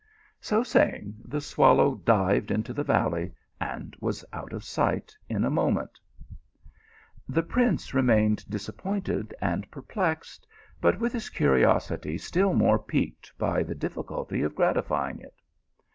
So saying, the swallow dived into the valley and was out of sight in a moment. The prince remained disappointed and perplexed, but with his curiosity still more piqued by the diili THE PILGRIM OF LOVE. 195 culty of gratifying it.